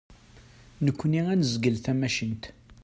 Nekni ad nezgel tamacint.